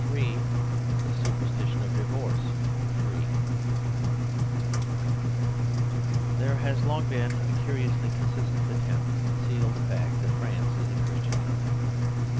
— The Superstition of Divorce TiERE has long been a curiously consistent attempt to conceal the fact that France is a Christian coun try.